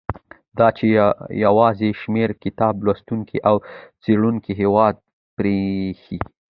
دا چې یو زیات شمیر کتاب لوستونکو او څېړونکو هیواد پریښی.